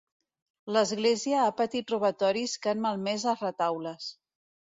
L'església ha patit robatoris que han malmès els retaules.